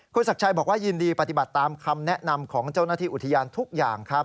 คุณศักดิ์ชัยบอกว่ายินดีปฏิบัติตามคำแนะนำของเจ้าหน้าที่อุทยานทุกอย่างครับ